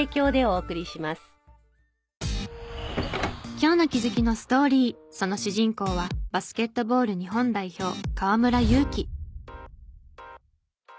今日の気づきのストーリーその主人公はバスケットボール日本代表河村勇輝。